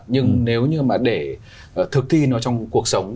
nhưng nếu như mà để thực thi nó trong cuộc sống